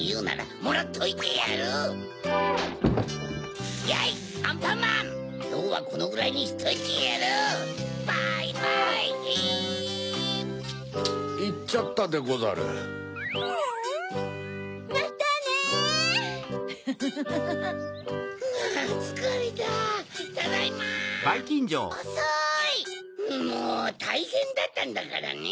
もうたいへんだったんだからね。